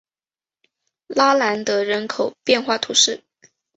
拉兰德人口变化图示